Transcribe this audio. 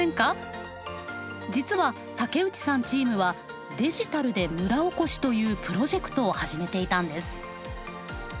実は竹内さんチームはデジタルで村おこしというプロジェクトを始めていたんです。